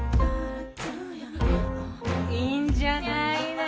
いいんじゃないの？